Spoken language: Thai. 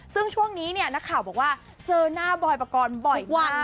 ซึ่งช่วงนี้เนี่ยนักข่าวบอกว่าเจอหน้าบอยปกรณ์บ่อยวัน